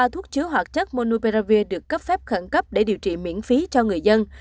ba thuốc chứa hoạt chất monupravir được cấp phép khẩn cấp để điều trị miễn phí cho người dân